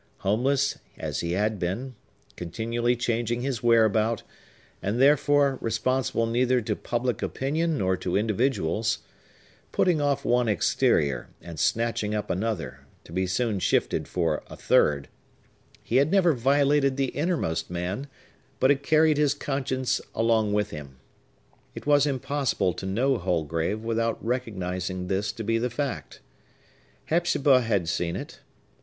Homeless as he had been,—continually changing his whereabout, and, therefore, responsible neither to public opinion nor to individuals,—putting off one exterior, and snatching up another, to be soon shifted for a third,—he had never violated the innermost man, but had carried his conscience along with him. It was impossible to know Holgrave without recognizing this to be the fact. Hepzibah had seen it.